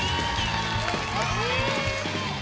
え！